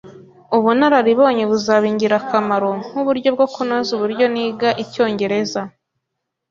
Ubunararibonye buzaba ingirakamaro nkuburyo bwo kunoza uburyo niga icyongereza